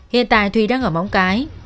hiện tại thùy đang ở móng cái